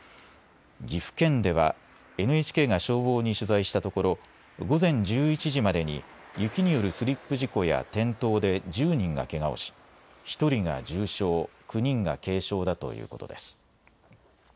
岐阜県ではＮＨＫが消防に取材したところ午前１１時までに雪によるスリップ事故や転倒で１０人がけがをし１人が重傷、９人が軽傷だということです。